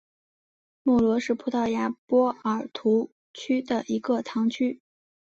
穆罗是葡萄牙波尔图区的一个堂区。